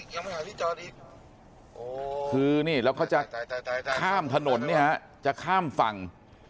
จ้างต่อไปและข้ามทหารที่ครั้งนี้เราจะข้ามทางศาลข้ามฝั่ง